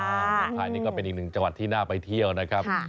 สุดท้ายนี่ก็เป็นอีกหนึ่งจังหวัดที่น่าไปเที่ยวนะครับ